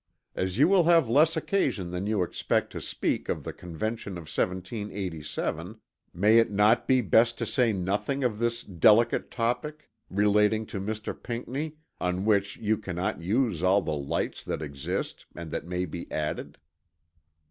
As you will have less occasion than you expected to speak of the Convention of 1787, may it not be best to say nothing of this delicate topic relating to Mr. Pinckney, on which you cannot use all the lights that exist and that may be added?"